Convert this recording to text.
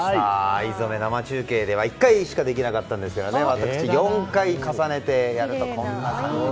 藍染め、生中継では１回しかできませんでしたが４回重ねてやるとこんな感じに。